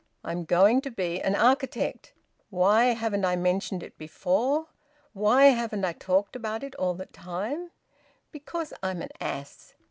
I'm going to be an architect. Why haven't I mentioned it before? Why haven't I talked about it all the time? Because I am an ass!